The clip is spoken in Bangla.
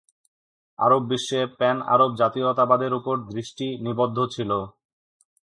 আরব বিশ্বে প্যান-আরব জাতীয়তাবাদের উপর দৃষ্টি নিবদ্ধ ছিল।